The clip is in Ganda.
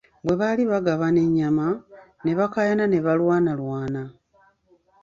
Bwe baali bagabana ennyama ne bakaayana ne balwanalwana.